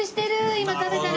今食べたら。